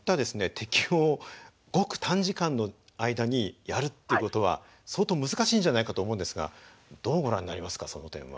適応をごく短時間の間にやるって事は相当難しいんじゃないかと思うんですがどうご覧になりますかその点は。